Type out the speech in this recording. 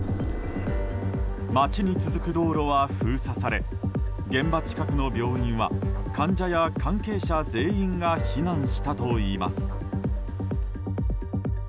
街に続く道路は封鎖され現場近くの病院は患者や関係者全員が避難したといいます。